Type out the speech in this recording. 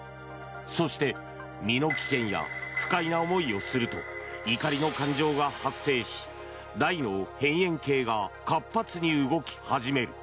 そして、身の危険や不快な思いをすると怒りの感情が発生し大脳辺縁系が活発に動き始める。